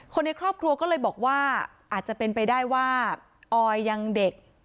คนในครอบครัวก็เลยบอกว่าอาจจะเป็นไปได้ว่าออยยังเด็ก